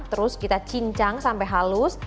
terus kita cincang sampai halus